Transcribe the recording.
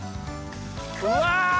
うわ！